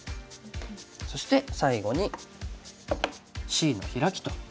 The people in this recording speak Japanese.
そして最後にＣのヒラキと。